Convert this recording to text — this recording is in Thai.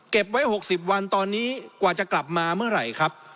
ไว้๖๐วันตอนนี้กว่าจะกลับมาเมื่อไหร่ครับ